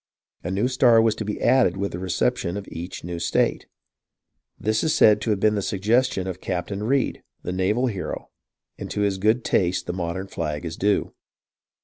A new star was to be added with the reception of each new state. This is said to have been the suggestion of Captain Reid, the naval hero, and to his good taste the modern flag is due.